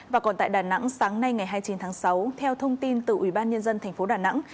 và còn tại đà nẵng sáng nay ngày hai mươi chín tháng sáu theo thông tin từ ubnd tp đà nẵng